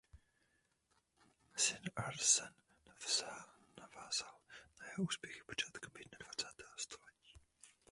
Syn Arsen navázal na jeho úspěchy počátkem jednadvacátého století.